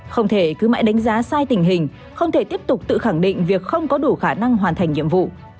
không thể cứ mãi đánh giá sai tình hình không thể tiếp tục tự khẳng định việc không có đủ khả năng hoàn thành nhiệm vụ